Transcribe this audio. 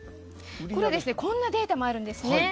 こんなデータもあるんですね。